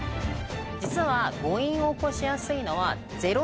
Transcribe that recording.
実は誤飲を起こしやすいのは。